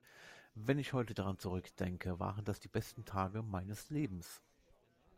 Wenn ich heute daran zurückdenke, waren das die besten Tage meines Lebens.